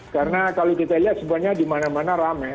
karena kalau kita lihat sebenarnya di mana mana rame